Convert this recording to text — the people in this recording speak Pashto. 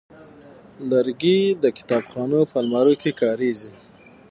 لرګی د کتابخانو په الماریو کې کارېږي.